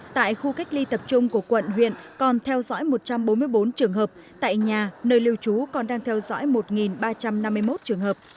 tại khu cách ly tập trung của quận huyện còn theo dõi một trăm bốn mươi bốn trường hợp tại nhà nơi lưu trú còn đang theo dõi một ba trăm năm mươi một trường hợp